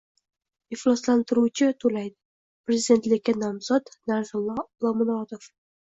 Ifloslantiruvchi to‘laydi — prezidentlikka nomzod Narzullo Oblomurodov